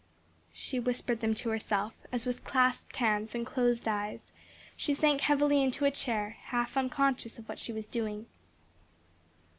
She whispered them to herself, as with clasped hands and closed eyes, she sank heavily into a chair, half unconscious of what she was doing.